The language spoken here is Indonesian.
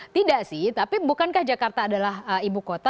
tidak sih tapi bukankah jakarta adalah ibu kota